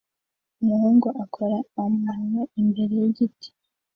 Umuhungu akora amano imbere yigiti